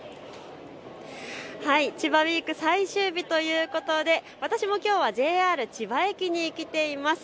千葉ウイーク最終日ということで私もきょうはＪＲ千葉駅に来ています。